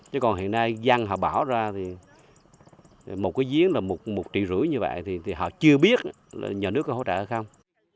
chứ còn hiện nay dân họ bỏ ra thì một cái giếng là một triệu rưỡi như vậy thì họ chưa biết là nhà nước có hỗ trợ hay không